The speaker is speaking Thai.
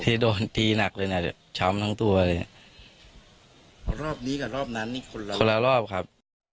ที่โดนตีหนักเลยน่ะช้ำทั้งตัวเลยรอบนี้กับรอบนั้นนี่คนละคนละรอบครับ